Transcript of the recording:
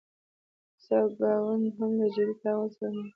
کوڅه او ګاونډ هم له جدي تاوان سره مخ کوي.